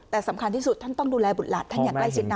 แต่สำคัญที่สุดท่านต้องดูแลบุตรหลานท่านอย่างใกล้ชิดนะ